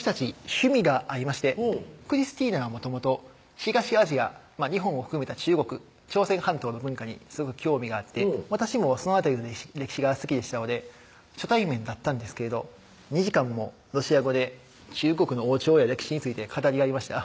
趣味が合いましてクリスティナはもともと東アジア日本を含めた中国・朝鮮半島の文化にすごく興味があって私もその辺りの歴史が好きでしたので初対面だったんですけど２時間もロシア語で中国の王朝や歴史について語り合いました